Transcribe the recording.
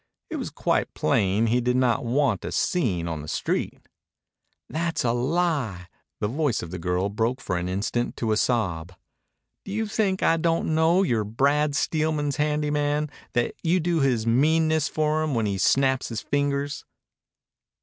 It was quite plain he did not want a scene on the street. "That's a lie." The voice of the girl broke for an instant to a sob. "Do you think I don't know you're Brad Steelman's handy man, that you do his meanness for him when he snaps his fingers?"